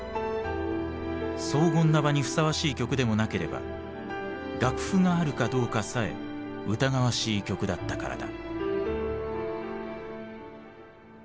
荘厳な場にふさわしい曲でもなければ楽譜があるかどうかさえ疑わしい曲だったからだ。